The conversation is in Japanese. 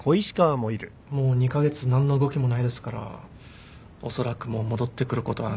もう２カ月何の動きもないですからおそらくもう戻ってくることはないでしょう。